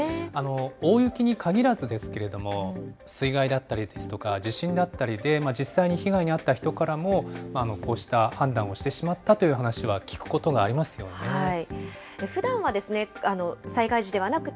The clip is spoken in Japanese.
大雪に限らずですけれども、水害だったりですとか、地震だったりで、実際に被害に遭った人からもこうした判断をしてしまったという話ふだんは、災害時ではなくて、